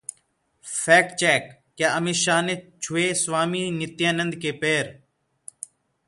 Fact check: क्या अमित शाह ने छुए स्वामी नित्यानंद के पैर?